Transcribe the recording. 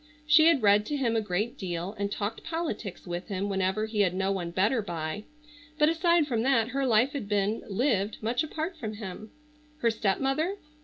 She had read to him a great deal and talked politics with him whenever he had no one better by, but aside from that her life had been lived much apart from him. Her stepmother?